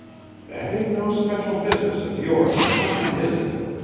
"That ain't no special business of yours or mine, is it?"